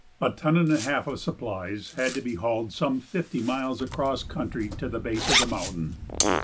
A ton and a half of supplies had to be hauled some fifty miles across country to the base of the mountain.